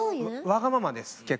わがままです結構。